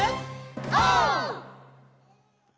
オー！